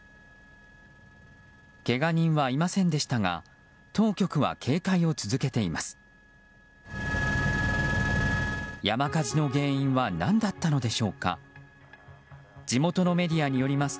けが人はいませんでしたが当局は警戒を続けています。